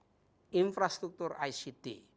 kesiapan infrastruktur ict